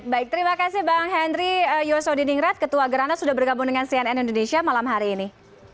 baik terima kasih bang henry yosodiningrat ketua gerana sudah bergabung dengan cnn indonesia malam hari ini